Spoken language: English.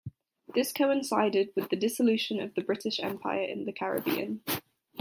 This coincided with the dissolution of the British Empire in the Caribbean.